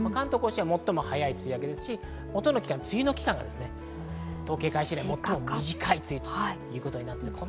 関東甲信は最も早い梅雨明けですし、梅雨の期間、統計開始以来、最も短い梅雨ということになりました。